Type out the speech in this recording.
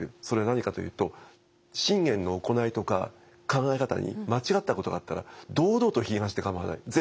それは何かというと信玄の行いとか考え方に間違ったことがあったら堂々と批判して構わない。